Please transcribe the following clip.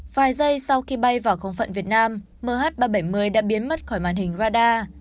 vài giây sau khi bay vào không phận việt nam mh ba trăm bảy mươi đã biến mất khỏi màn hình radar